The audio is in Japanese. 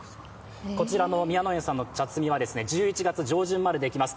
こちらの宮野園さんの茶摘みは１１月上旬までできます。